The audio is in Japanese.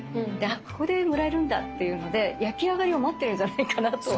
「あっここでもらえるんだ」っていうので焼き上がりを待ってるんじゃないかなと。